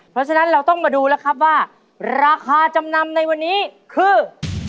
เพราะฉะนั้นเราต้องมาดูแล้วครับว่าราคาจำนำในวันนี้คือ